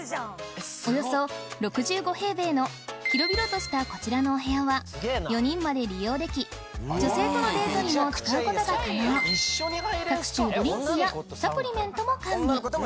およそ６５平米の広々としたこちらのお部屋は４人まで利用でき女性とのデートにも使うことが可能も完備。